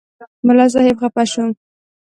ملا صاحب خفه شو.